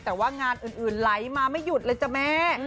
แต่ว่างานอื่นไหลมาไม่หยุดเลยจ้ะแม่